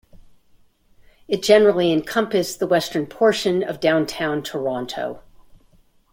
It generally encompassed the western portion of Downtown Toronto.